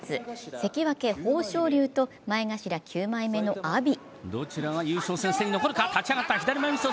関脇・豊昇龍と前頭九枚目の阿炎。